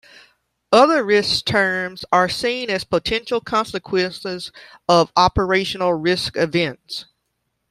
Other risk terms are seen as potential consequences of operational risk events.